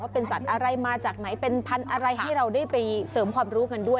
เป็นสัตว์อะไรมาจากไหนเป็นพันธุ์อะไรให้เราได้ไปเสริมความรู้กันด้วย